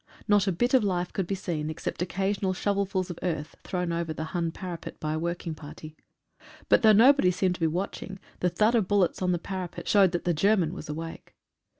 Not a bit of life could be seen except occasional shovelfuls of earth thrown over the Hun parapet by a working party. But though nobody seemed to be watching, the thud of bullets on the para pet showed that the German was awake.